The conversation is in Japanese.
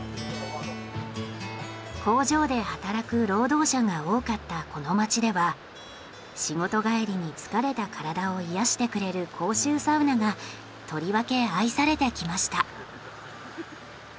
工場で働く労働者が多かったこの町では仕事帰りに疲れた体を癒やしてくれる公衆サウナがとりわけ愛されてきました。